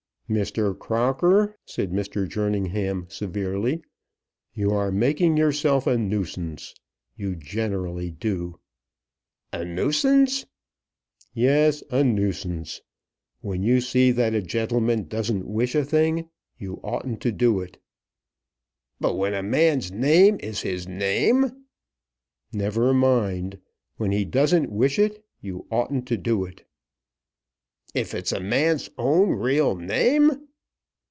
"Mr. Crocker," said Mr. Jerningham severely, "you are making yourself a nuisance. You generally do." "A nuisance!" "Yes; a nuisance. When you see that a gentleman doesn't wish a thing, you oughtn't to do it." "But when a man's name is his name!" "Never mind. When he doesn't wish it, you oughtn't to do it!" "If it's a man's own real name!"